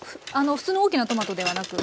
普通の大きなトマトではなく。